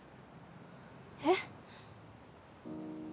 えっ？